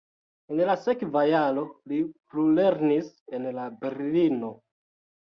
En la sekva jaro li plulernis en Berlino.